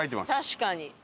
確かに。